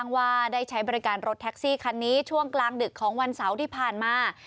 ว่าได้ใช้บริการรถแท็กซี่คันนี้ช่วงกลางดึกของวันเสาร์ที่ผ่านมา